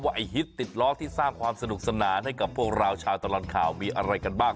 ไอ้ฮิตติดล้อที่สร้างความสนุกสนานให้กับพวกเราชาวตลอดข่าวมีอะไรกันบ้าง